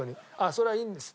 それはいいんです。